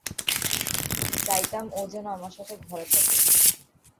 চাইতাম ও যেন আমার সাথে ঘরে থাকে।